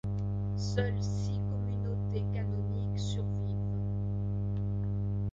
Seules six communautés canoniques survivent.